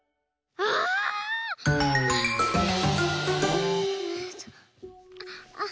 ⁉あっ！